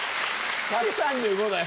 １３５だよ。